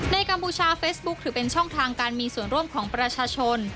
กัมพูชาเฟซบุ๊คถือเป็นช่องทางการมีส่วนร่วมของประชาชน